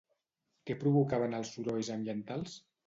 Què provocaven els sorolls ambientals?